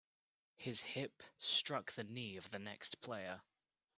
His hip struck the knee of the next player.